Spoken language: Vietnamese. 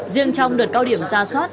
riêng trong đợt cao điểm ra soát